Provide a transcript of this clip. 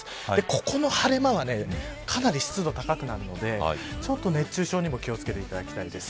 ここの晴れ間は、かなり湿度が高くなるので熱中症にも気を付けていただきたいです。